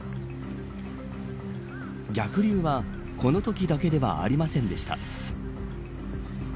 逆流は、このときだけではありませんでした。